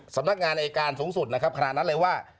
สำนักงานอายการสูงสุดนะครับขณะนั้นเลยว่า